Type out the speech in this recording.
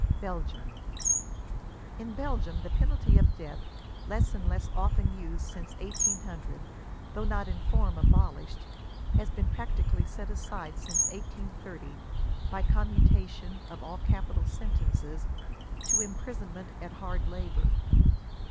BELGIUM. In Belgium the penalty of death, less and less often used since 1800, though not in form abolished, has been practically set aside since 1830, by commutation of all capital sentences, to imprisonment at hard labor.